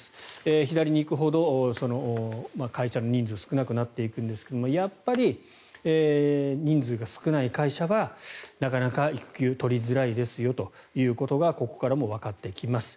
左に行くほど会社の人数少なくなっていくんですがやっぱり人数が少ない会社はなかなか育休取りづらいですよということがここからもわかってきます。